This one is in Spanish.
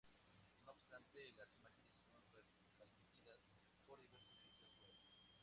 No obstante, las imágenes son retransmitidas por diversos sitios "web".